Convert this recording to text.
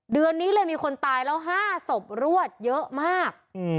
เดือนนี้เลยมีคนตายแล้ว๕ศพรวดเยอะมาก